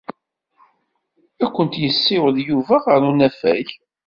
Ad kent-yessiweḍ Yuba ɣer unafag.